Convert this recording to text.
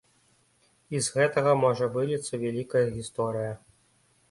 І з гэтага можа выліцца вялікая гісторыя.